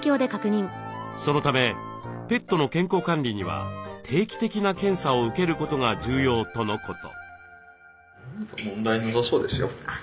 そのためペットの健康管理には定期的な検査を受けることが重要とのこと。